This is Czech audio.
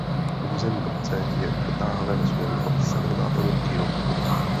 Území obce je protáhlé ve směru od severozápadu k jihovýchodu.